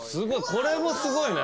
これもすごいね。